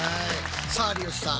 さあ有吉さん